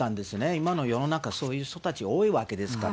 今の世の中、そういう人たちが多いわけですから。